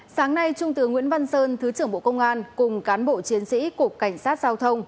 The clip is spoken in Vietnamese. sáng nay trung tướng nguyễn văn sơn thứ trưởng bộ công an cùng cán bộ chiến sĩ cục cảnh sát giao thông